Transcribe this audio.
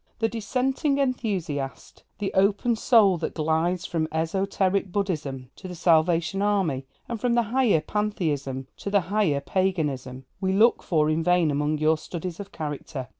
The Dissenting enthusiast, the open soul that glides from Esoteric Buddhism to the Salvation Army, and from the Higher Pantheism to the Higher Paganism, we look for in vain among your studies of character.